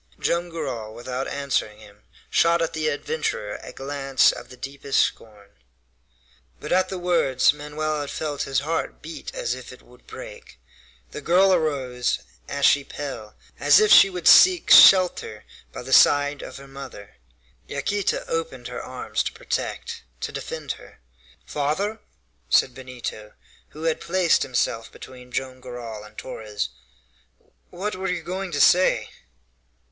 Joam Garral, without answering him, shot at the adventurer a glance of the deepest scorn. But at the words Manoel had felt his heart beat as if it would break. The girl arose, ashy pale, as if she would seek shelter by the side of her mother. Yaquita opened her arms to protect, to defend her. "Father," said Benito, who had placed himself between Joam Garral and Torres, "what were you going to say?"